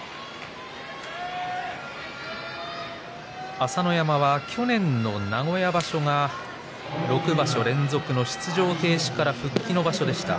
朝乃山は去年の名古屋場所は６場所連続の出場停止からの復帰の場所でした。